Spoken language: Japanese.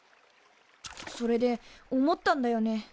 それで思ったんだよね。